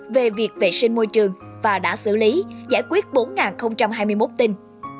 về việc vệ sinh môi trường và đã xử lý giải quyết bốn hai mươi một tin